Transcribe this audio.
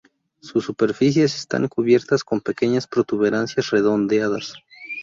Sus superficies están cubiertas con pequeñas protuberancias redondeadas.